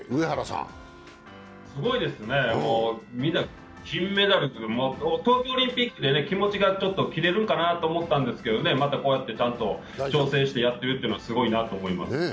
すごいですね、みんな東京オリンピックで気持ちが切れるかなと思ったんですけどね、またこうやって挑戦してやってるのはすごいと思います。